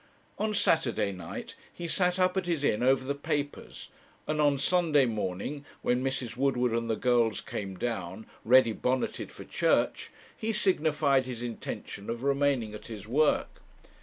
On Saturday night he sat up at his inn over the papers, and on Sunday morning, when Mrs. Woodward and the girls came down, ready bonneted, for church, he signified his intention of remaining at his work.